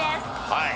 はい。